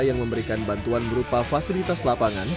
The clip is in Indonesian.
yang memberikan bantuan berupa fasilitas lapangan